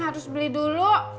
harus beli dulu